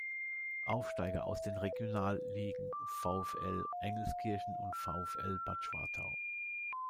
Aufsteiger aus den Regionalligen: VfL Engelskirchen und VfL Bad Schwartau.